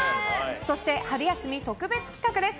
そして、春休み特別企画です。